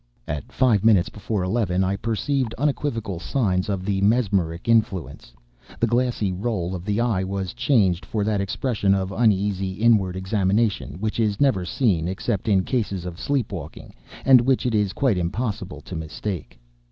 At five minutes before eleven I perceived unequivocal signs of the mesmeric influence. The glassy roll of the eye was changed for that expression of uneasy inward examination which is never seen except in cases of sleep waking, and which it is quite impossible to mistake.